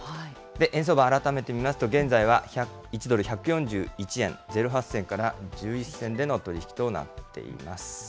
円相場、改めて見ますと、現在は１ドル１４１円０８銭から１１銭での取り引きとなっています。